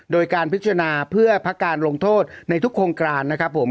โดยการพิจารณาเพื่อพักการลงโทษในทุกโครงการนะครับผม